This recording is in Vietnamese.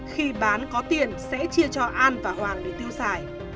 khi bán có tiền sẽ chia cho an và hoàng để tiêu xài